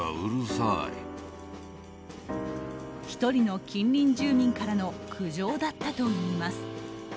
１人の近隣住民からの苦情だったといいます。